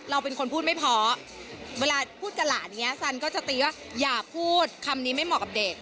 เราเป็นคนพูดไม่เพราะเวลาพูดกับหลานอย่างนี้ซันก็จะตีว่าอย่าพูดคำนี้ไม่เหมาะกับเด็ก